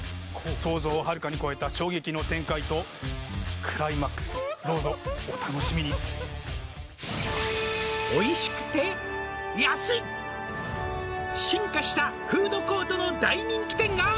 想像をはるかに超えた衝撃の展開とクライマックスどうぞお楽しみに「おいしくて安い」「進化したフードコートの大人気店が」